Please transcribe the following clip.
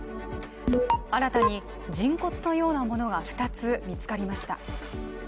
新たに、人骨のようなものが二つ見つかりました。